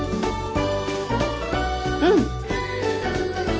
うん！